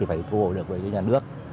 phải thu hồi được với nhà nước